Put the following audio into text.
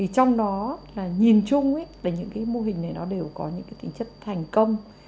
trong đó nhìn chung là những mô hình này đều có những tính chất thành công